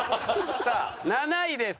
さあ７位です。